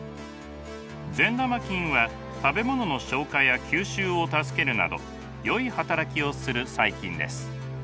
善玉菌は食べ物の消化や吸収を助けるなどよい働きをする細菌です。